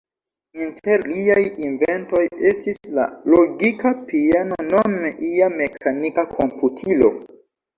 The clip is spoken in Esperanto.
Inter liaj inventoj estis la logika piano, nome ia mekanika komputilo.